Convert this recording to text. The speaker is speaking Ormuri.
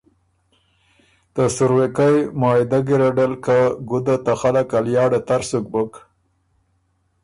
ته سُروېکئ معاهدۀ ګیرډه ل که ګُده ته خلق ا لیاړه تر سُک بُک